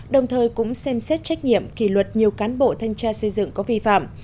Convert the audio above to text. đồng thời cũng xem xét trách nhiệm kỳ luật nhiều cán bộ thanh tra xây dựng có vi phạm